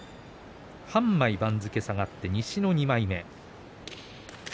半枚番付が下がって西の２枚目。